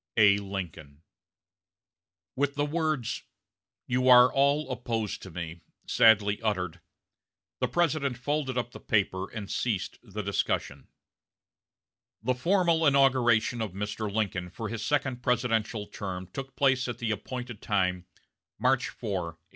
"A. LINCOLN." With the words, "You are all opposed to me," sadly uttered, the President folded up the paper and ceased the discussion. The formal inauguration of Mr. Lincoln for his second presidential term took place at the appointed time, March 4, 1865.